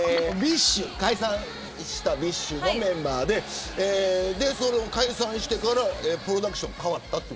解散したＢｉＳＨのメンバーで解散してからプロダクションが変わった。